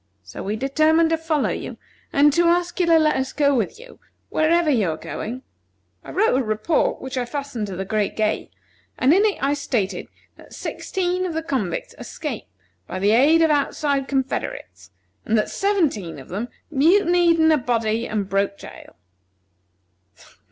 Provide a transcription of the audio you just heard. So we determined to follow you, and to ask you to let us go with you, wherever you are going. I wrote a report, which I fastened to the great gate, and in it I stated that sixteen of the convicts escaped by the aid of outside confederates, and that seventeen of them mutinied in a body and broke jail."